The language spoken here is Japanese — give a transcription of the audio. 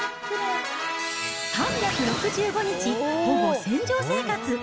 ３６５日ほぼ船上生活。